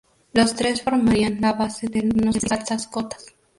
Los tres formarían la base de unos Celtics destinados a altas cotas.